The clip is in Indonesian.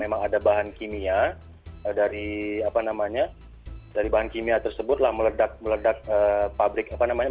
memang ada bahan kimia dari apa namanya dari bahan kimia tersebutlah meledak meledak pabrik apa namanya